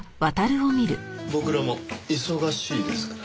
僕らも忙しいですからね。